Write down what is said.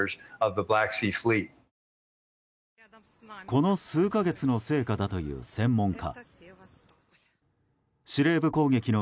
この数か月の成果だという専門家。